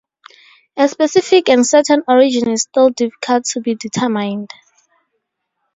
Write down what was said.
A specific and certain origin is still difficult to be determined.